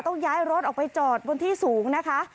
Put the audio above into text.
ต้องย้ายรถออกไปจอดบนที่สูงนะคะ